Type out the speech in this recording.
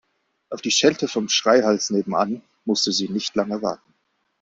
Auf die Schelte vom Schreihals nebenan musste sie nicht lange warten.